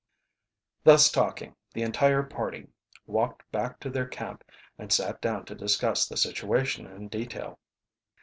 Thus talking the entire party walked back to their camp and sat down to discuss the situation in detail.